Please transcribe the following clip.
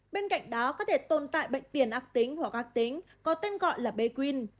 bên cạnh đó có thể tồn tại bệnh tiền ác tính hoặc ác tính có tên gọi là bqn